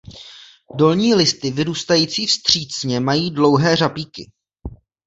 Dolní listy vyrůstající vstřícně mají dlouhé řapíky.